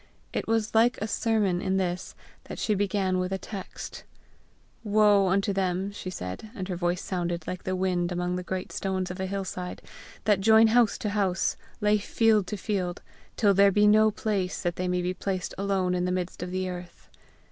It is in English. It was like a sermon in this, that she began with a text: "Woe unto them," she said and her voice sounded like the wind among the great stones of a hillside "that join house to house, that lay field to field, till there be no place, that they may be placed alone in the midst of the earth!"